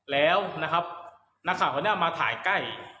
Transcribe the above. แล้วนักข่าวเพราะนี้จะมาถ่ายใกล้